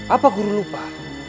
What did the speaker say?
apa guru lupa